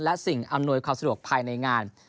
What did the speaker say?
และสิ่งอำนวยความสะดวกภายในงาน